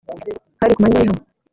_hari ku manywa y’ihangu